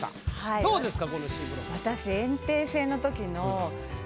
どうですか？